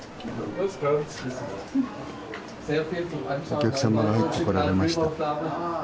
お客様が入ってこられました。